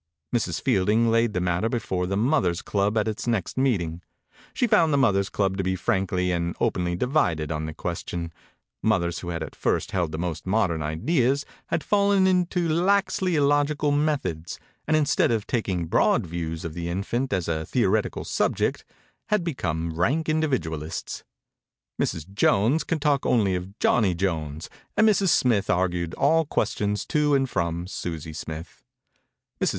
Mrs. Fielding laid the matter before the Mothers' club at its next meeting. She found the Mothers' club to be frankly and openly divided on the question. Mothers who had at first held the most modern ideas had fallen into laxly illogical methods, and instead of taking broad views of 44 THE INCUBATOR BABY the infant as a theoretical sub ject, had become rank individual ists. Mrs. Jones could talk only of Johnny Jones and Mrs. Smith argued all questions to and from Susie Smith. Mrs.